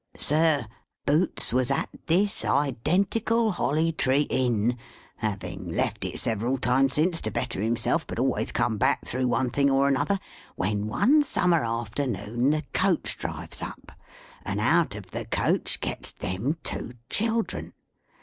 Sir, Boots was at this identical Holly Tree Inn (having left it several times since to better himself, but always come back through one thing or another), when, one summer afternoon, the coach drives up, and out of the coach gets them two children.